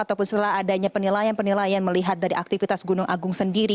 ataupun setelah adanya penilaian penilaian melihat dari aktivitas gunung agung sendiri